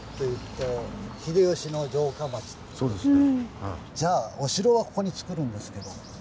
そうですね。